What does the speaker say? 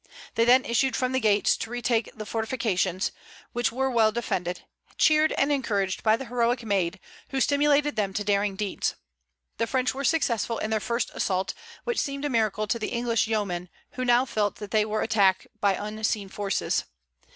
They then issued from the gates to retake the fortifications, which were well defended, cheered and encouraged by the heroic Maid, who stimulated them to daring deeds. The French were successful in their first assault, which seemed a miracle to the English yeomen, who now felt that they were attacked by unseen forces.